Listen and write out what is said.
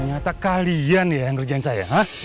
ternyata kalian ya yang kerjain saya ha